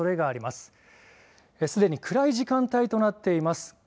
すでに暗い時間帯となっています。